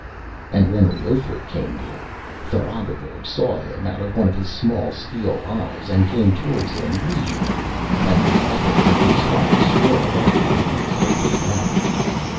And when Leothric came near, Tharagavverug saw him out of one of his small steel eyes and came towards him leisurely, and the echoes of his heart swirled up through his open mouth.